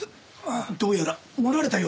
どうやら盛られたようですな。